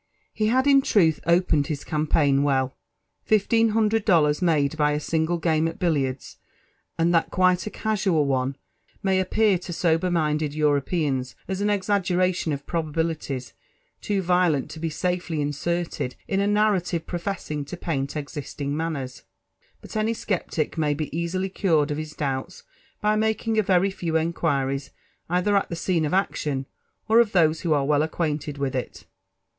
Be had, in truth, opened his compaign well. Fifteen hundred dollars made by a single game at billiards, and that quite a casual one, nmy appear to sober minded Europeans as an exageration of probabilities loo violent to be safely inserted in a narrative professing to paint exist ing manners; but any sceptic may be easily cured of his doubts by making a very few inquiries either at the scene of action or of those who are well acquainted with it.